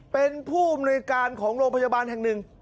เป็นผู้อำนวยการของโรงพยาบาลแห่งหนึ่ง